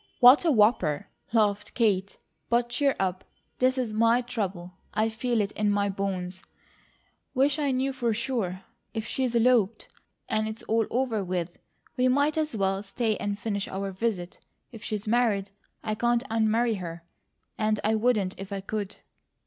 "What a whopper!" laughed Kate. "But cheer up. This is my trouble. I feel it in my bones. Wish I knew for sure. If she's eloped, and it's all over with, we might as well stay and finish our visit. If she's married, I can't unmarry her, and I wouldn't if I could."